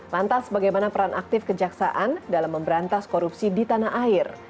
lantas bagaimana peran aktif kejaksaan dalam memberantas korupsi di tanah air